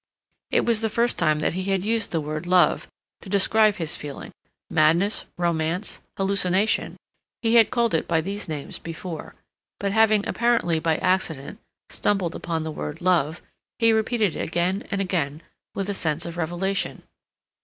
It was the first time that he had used the word "love" to describe his feeling; madness, romance, hallucination—he had called it by these names before; but having, apparently by accident, stumbled upon the word "love," he repeated it again and again with a sense of revelation.